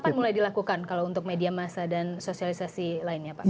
kapan mulai dilakukan kalau untuk media masa dan sosialisasi lainnya pak